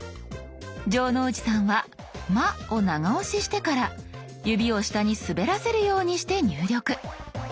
城之内さんは「ま」を長押ししてから指を下に滑らせるようにして入力。